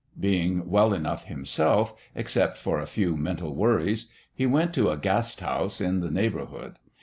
Being well enough himself, except for a few mental worries, he went to a Gasthaus in the neighbourhood.